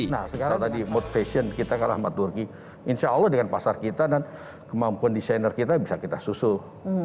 misalnya tadi mode fashion kita kalah sama turki insya allah dengan pasar kita dan kemampuan desainer kita bisa kita susuh